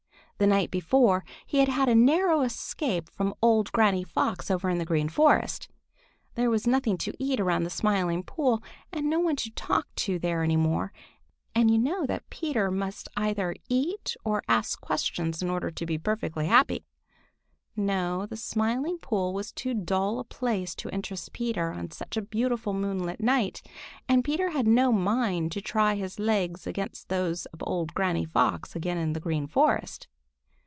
The night before he had had a narrow escape from old Granny Fox over in the Green Forest. There was nothing to eat around the Smiling Pool and no one to talk to there any more, and you know that Peter must either eat or ask questions in order to be perfectly happy. No, the Smiling Pool was too dull a place to interest Peter on such a beautiful moonlight night, and Peter had no mind to try his legs against those of old Granny Fox again in the Green Forest.